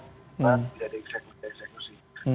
tidak ada eksekusi